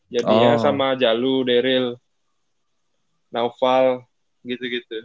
jadi ya sama jalu daryl naofal gitu gitu